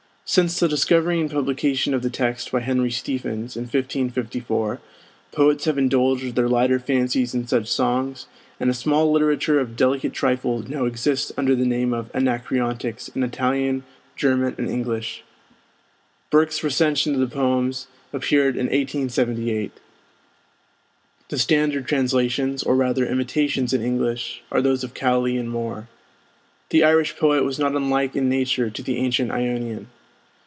Since the discovery and publication of the text by Henry Stephens, in 1554, poets have indulged their lighter fancies in such songs, and a small literature of delicate trifles now exists under the name of 'Anacreontics' in Italian, German, and English. Bergk's recension of the poems appeared in 1878. The standard translations, or rather imitations in English, are those of Cowley and Moore. The Irish poet was not unlike in nature to the ancient Ionian.